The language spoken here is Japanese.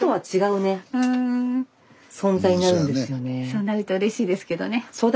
そうなるとうれしいですけどね。